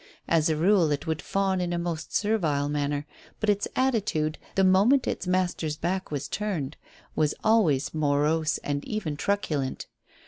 As a rule, it would fawn in a most servile manner, but its attitude, the moment its master's back was turned, was always morose and even truculent.